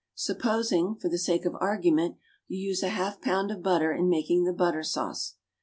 Supposing, for the sake of argument, you use half a pound of butter in making the butter sauce.